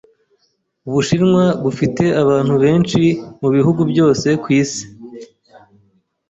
Ubushinwa bufite abantu benshi mu bihugu byose ku isi.